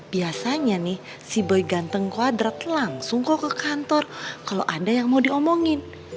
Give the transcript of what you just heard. biasanya nih si boy ganteng kuadrat langsung kok ke kantor kalau ada yang mau diomongin